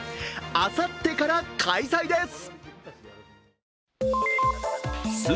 あさってから開催です。